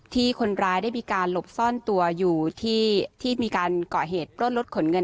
ที่คนร้ายได้มีการหลบซ่อนตัวอยู่ที่มีการเกาะเหตุปล้นรถขนเงิน